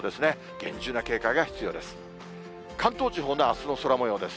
厳重な警戒が必要です。